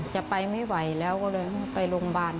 จะไปไม่ไหวแล้วก็เลยไปโรงพยาบาล